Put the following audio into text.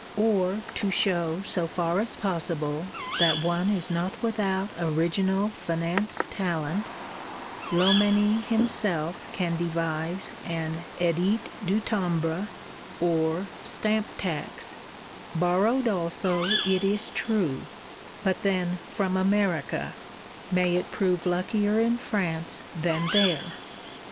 Or, to show, so far as possible, that one is not without original finance talent, Loménie himself can devise an Edit du Timbre or Stamp tax,—borrowed also, it is true; but then from America: may it prove luckier in France than there!